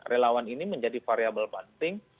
relawan ini menjadi variable penting